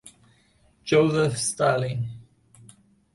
Josef Stalin